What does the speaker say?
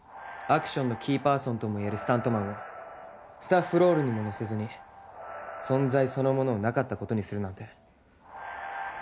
アクションのキーパーソンともいえるスタントマンをスタッフロールにも載せずに存在そのものをなかったことにするなんて。